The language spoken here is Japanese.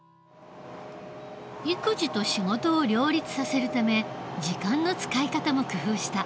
育児と仕事を両立させるため時間の使い方も工夫した。